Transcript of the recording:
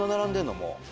もう。